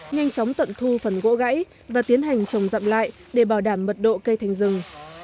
nhanh chóng tận thu phần gỗ gãy và tiến hành trồng dặm lại để bảo đảm mật độ cây thành rừng